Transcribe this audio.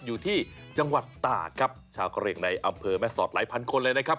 อยู่ที่จังหวัดตากครับชาวกะเหลี่ยงในอำเภอแม่สอดหลายพันคนเลยนะครับ